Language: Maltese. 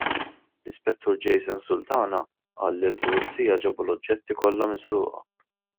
L-Ispettur Jason Sultana qal li l-pulizija ġabu l-oġġetti kollha misruqa.